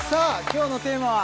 今日のテーマは？